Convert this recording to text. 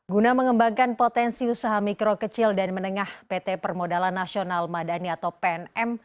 guna mengembangkan potensi usaha mikro kecil dan menengah pt permodalan nasional madani atau pnm